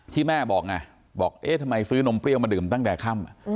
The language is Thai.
ที่แม่บอกไงบอกเอ๊ะทำไมซื้อนมเปรี้ยวมาดื่มตั้งแต่ค่ำ